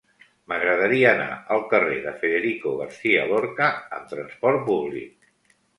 M'agradaria anar al carrer de Federico García Lorca amb trasport públic.